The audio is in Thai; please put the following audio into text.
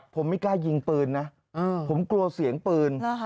ผมไม่กล้ายิงปืนนะผมกลัวเสียงปืน